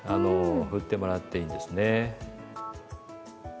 振ってもらっていいですね。